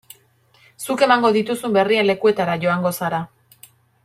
Zuk emango dituzun berrien lekuetara joango zara.